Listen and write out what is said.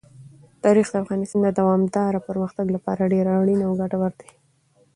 تاریخ د افغانستان د دوامداره پرمختګ لپاره ډېر اړین او ګټور دی.